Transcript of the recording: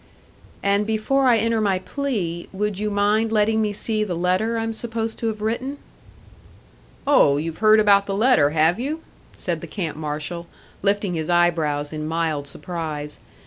"And before I enter my plea, would you mind letting me see the letter I'm supposed to have written." "Oh, you've heard about the letter, have you?" said the camp marshal, lifting his eyebrows in mild surprise.